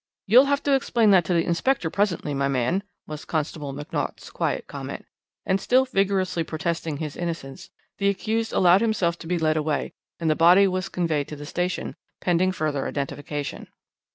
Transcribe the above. "'You'll have to explain that to the inspector presently, my man,' was Constable McNaught's quiet comment, and, still vigorously protesting his innocence, the accused allowed himself to be led away, and the body was conveyed to the station, pending fuller identification.